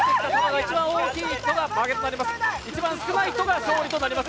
一番少ない人が勝利となります。